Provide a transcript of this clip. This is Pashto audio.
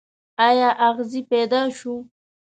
ایا اغزی پیدا شو.